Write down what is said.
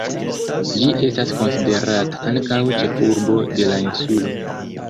Ĝi estas konsiderata ankaŭ ĉefurbo de la insulo.